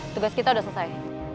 tugas kita udah selesai